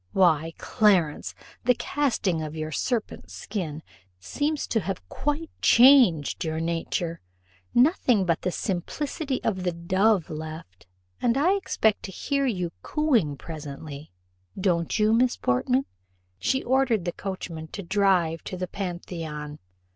"Why, Clarence, the casting of your serpent's skin seems to have quite changed your nature nothing but the simplicity of the dove left; and I expect to hear, you cooing presently don't you, Miss Portman?" She ordered the coachman to drive to the Pantheon.